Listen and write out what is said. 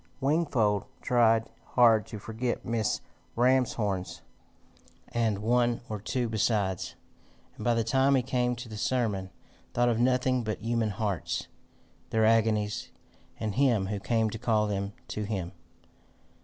Wingfold tried hard to forget Mrs. Ramshorn's, and one or two besides, and by the time he came to the sermon, thought of nothing but human hearts, their agonies, and him who came to call them to him.